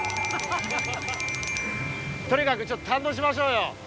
とにかくちょっと堪能しましょうよ。